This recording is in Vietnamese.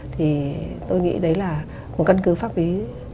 thì tôi nghĩ đấy là một căn cứ pháp lý quan trọng